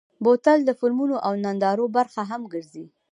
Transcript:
بوتل د فلمونو او نندارو برخه هم ګرځي.